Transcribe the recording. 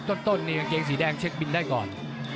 ต้นนี่กางเกงสีแดงเช็คบินได้ก่อน